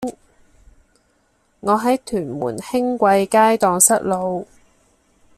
我喺屯門興貴街盪失路